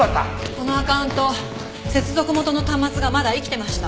このアカウント接続元の端末がまだ生きてました。